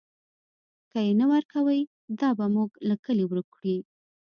که یې نه ورکوئ، دا به موږ له کلي ورک کړي.